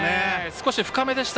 少し深めでした。